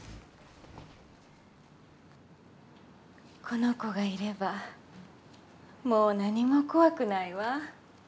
この子がいればもう何も怖くないわ。